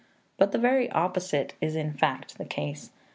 But the very opposite is, in fact, the case.